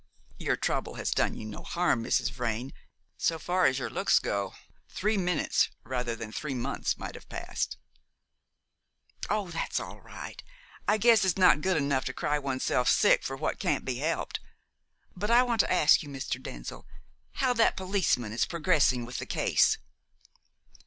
"Your trouble has done you no harm, Mrs. Vrain. So far as your looks go, three minutes, rather than three months, might have passed." "Oh, that's all right. I guess it's not good enough to cry one's self sick for what can't be helped. But I want to ask you, Mr. Denzil, how that policeman is progressing with the case."